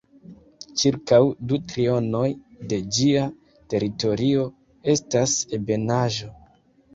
Ĉirkaŭ du trionoj de ĝia teritorio estas ebenaĵo.